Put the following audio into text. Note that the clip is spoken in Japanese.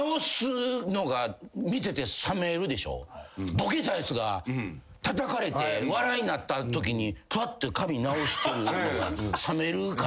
ボケたやつがたたかれて笑いになったときにふわっと髪直してるのが冷めるから。